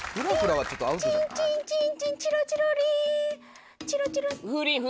チンチンチンチンチロチロリンチロチロ。